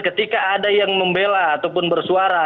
ketika ada yang membela ataupun bersuara